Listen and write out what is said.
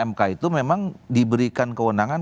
mk itu memang diberikan kewenangan